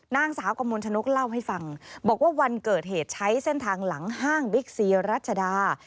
นางสาวกมลชนกเล่าให้ฟังบอกว่าวันเกิดเหตุใช้เส้นทางหลังห้างบิ๊กซีรัชดา